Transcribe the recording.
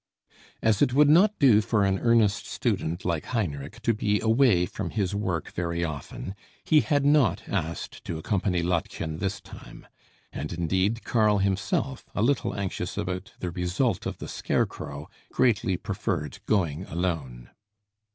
As it would not do for an earnest student like Heinrich to be away from his work very often, he had not asked to accompany Lottchen this time. And indeed Karl himself, a little anxious about the result of the scarecrow, greatly preferred going alone.